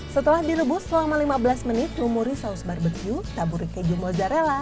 setelah direbus selama lima belas menit lumuri saus barbecue taburi keju mozzarella